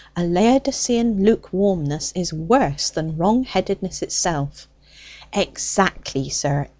A Laodicean lukewarmness is worse than wrongheadedness itself." "Exactly, sir.